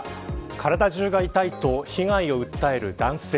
体中が痛いと被害を訴える男性。